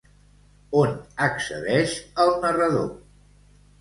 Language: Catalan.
On accedeix el narrador?